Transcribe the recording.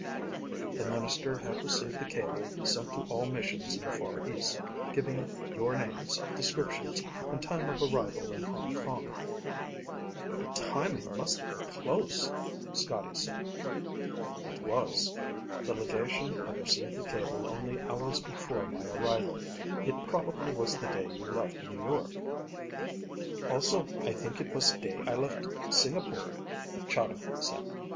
The minister had received the cable sent to all missions in the Far East giving your names, descriptions, and time of arrival in Hong Kong." "The timing must have been close," Scotty said. "It was. The legation had received the cable only hours before my arrival. It probably was the day you left New York." "Also I think it was day I left Singapore," Chahda said.